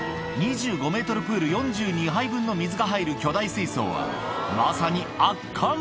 プール４２杯分の水が入る巨大水槽は、まさに圧巻。